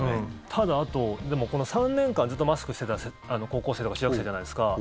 ただ、あとこの３年間ずっとマスクしてた高校生とか中学生じゃないですか。